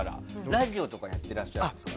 ラジオとかやっていらっしゃるんですか？